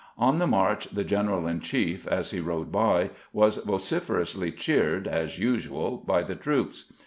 On the march the general in chief , as he rode by, was vociferously cheered, as usual, by the troops.